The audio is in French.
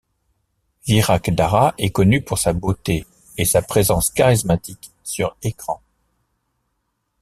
Virak Dara est connue pour sa beauté et sa présence charismatique sur écran.